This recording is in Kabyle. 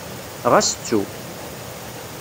Ɣas ttu.